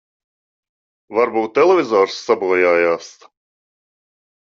Varbūt televizors sabojājās.